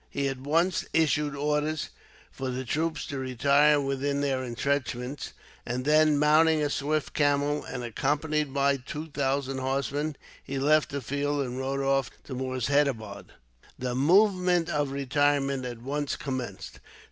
He at once issued orders for the troops to retire within their intrenchments; and then, mounting a swift camel, and accompanied by two thousand horsemen, he left the field, and rode off to Moorshedabad. The movement of retirement at once commenced.